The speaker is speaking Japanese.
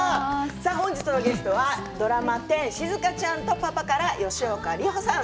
本日のゲストは、ドラマ１０「しずかちゃんとパパ」から吉岡里帆さん